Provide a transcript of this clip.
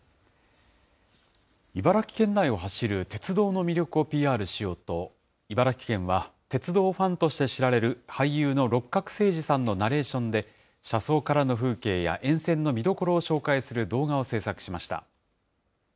茨城県内を走る鉄道の魅力をＰＲしようと、茨城県は鉄道ファンとして知られる、俳優の六角精児さんのナレーションで、車窓からの風景や沿線の見どころを紹介する動画を制作しました。